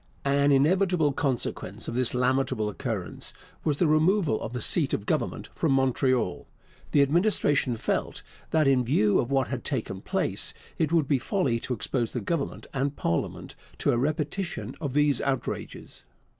An inevitable consequence of this lamentable occurrence was the removal of the seat of government from Montreal. The Administration felt that, in view of what had taken place, it would be folly to expose the Government and parliament to a repetition of these outrages.